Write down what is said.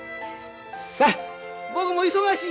さあ僕も忙しい。